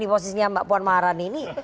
di posisinya mbak puan maharani ini